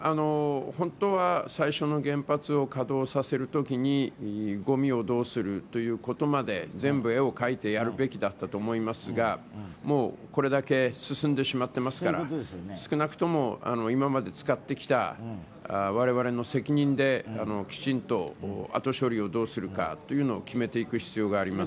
本当は最初の原発を稼働するときにゴミをどうするということまで全部、絵を描いてやるべきだったと思いますがもうこれだけ進んでしまっていますから少なくとも今まで使ってきた我々の責任できちんと後処理をどうするか決めていく必要があります。